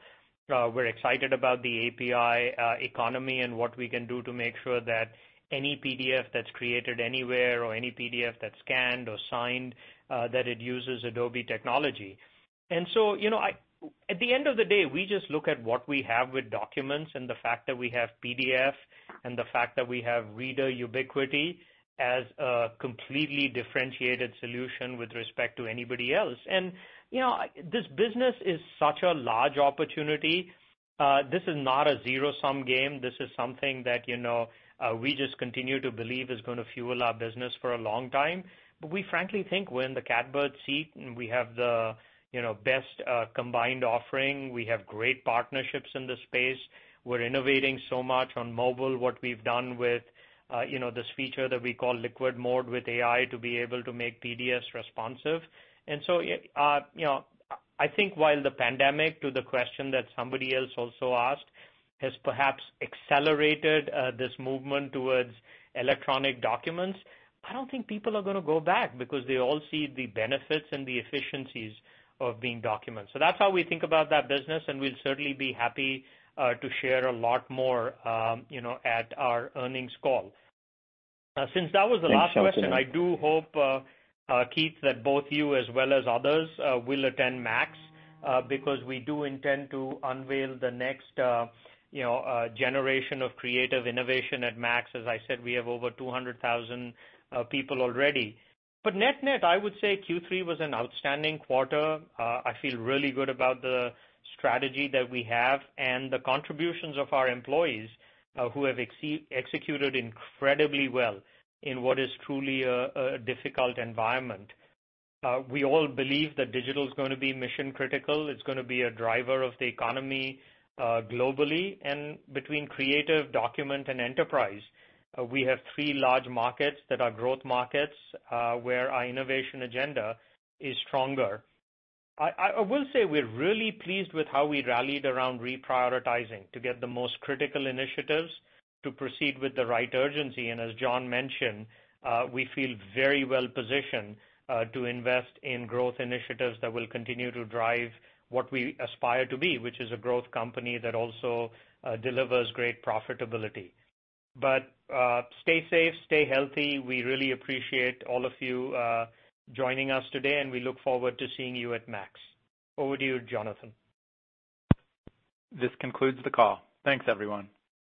We're excited about the API economy and what we can do to make sure that any PDF that's created anywhere or any PDF that's scanned or signed, that it uses Adobe technology. At the end of the day, we just look at what we have with documents and the fact that we have PDF and the fact that we have reader ubiquity as a completely differentiated solution with respect to anybody else. This business is such a large opportunity. This is not a zero-sum game. This is something that we just continue to believe is going to fuel our business for a long time. We frankly think we're in the catbird seat, and we have the best combined offering. We have great partnerships in the space. We're innovating so much on mobile, what we've done with this feature that we call Liquid Mode with AI to be able to make PDFs responsive. I think while the pandemic, to the question that somebody else also asked, has perhaps accelerated this movement towards electronic documents, I don't think people are going to go back because they all see the benefits and the efficiencies of being digital. That's how we think about that business, and we'll certainly be happy to share a lot more at our earnings call. Since that was the last question. Thanks, Shantanu. I do hope, Keith, that both you as well as others will attend MAX because we do intend to unveil the next generation of creative innovation at MAX. As I said, we have over 200,000 people already. Net-net, I would say Q3 was an outstanding quarter. I feel really good about the strategy that we have and the contributions of our employees who have executed incredibly well in what is truly a difficult environment. We all believe that digital is going to be mission critical. It's going to be a driver of the economy globally. Between creative, document, and enterprise, we have three large markets that are growth markets, where our innovation agenda is stronger. I will say we're really pleased with how we rallied around reprioritizing to get the most critical initiatives to proceed with the right urgency. As John mentioned, we feel very well positioned to invest in growth initiatives that will continue to drive what we aspire to be, which is a growth company that also delivers great profitability. Stay safe, stay healthy. We really appreciate all of you joining us today, and we look forward to seeing you at MAX. Over to you, Jonathan. This concludes the call. Thanks, everyone.